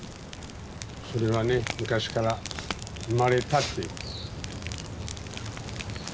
それはね昔から生まれたっていう。